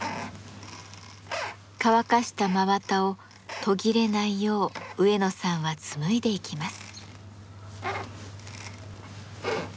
乾かした真綿を途切れないよう植野さんは紡いでいきます。